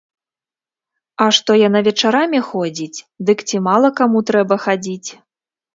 А што яна вечарамі ходзіць, дык ці мала каму трэба хадзіць.